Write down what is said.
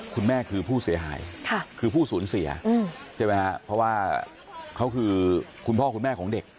คุณแม่คือผู้เสียหายคือผู้ศูนย์เสียเพราะว่าเขาคือคุณพ่อคุณแม่ของเด็ก